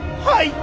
はい。